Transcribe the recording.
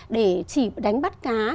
để chỉ đánh bắt cá